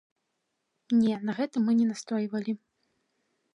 Не, на гэтым мы не настойвалі.